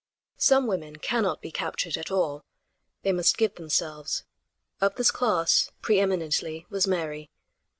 Some women cannot be captured at all; they must give themselves; of this class pre eminently was Mary.